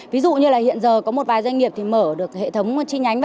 ví dụ như là hiện giờ có một vài doanh nghiệp thì mở được hệ thống chi nhánh